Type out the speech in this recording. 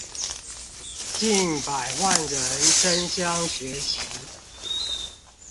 近百萬人爭相學習